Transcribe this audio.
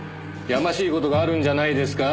やましい事があるんじゃないですか？